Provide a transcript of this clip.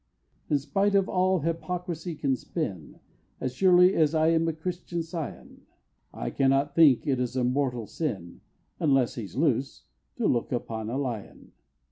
In spite of all hypocrisy can spin, As surely as I am a Christian scion, I cannot think it is a mortal sin (Unless he's loose) to look upon a lion.